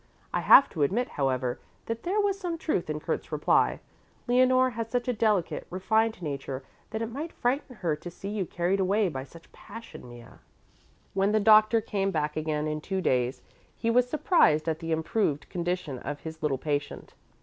I have to admit, however, that there was some truth in Kurt's reply. Leonore has such a delicate, refined nature that it might frighten her to see you carried away by such passion, Mea." When the doctor came back again in two days he was surprised at the improved condition of his little patient.